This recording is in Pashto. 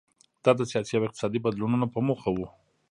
دا د سیاسي او اقتصادي بدلونونو په موخه و.